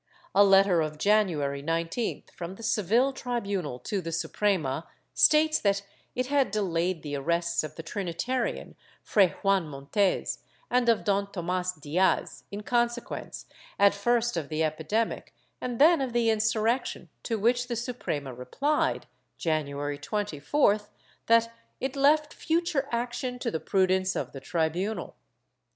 A letter of January 19th, from the Seville tribunal to the Suprema, states that it had delayed the arrests of the Trinitarian, Fray Juan Montes, and of Don Tomas Diaz in consequence, at first of the epidemic, and then of the insurrection, to which the Suprema replied, January 24th, that it left future action to the prudence of the tribunal.